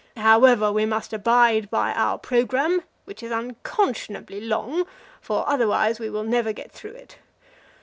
However, we must abide by our programme, which is unconscionably long, for otherwise we will never get through it.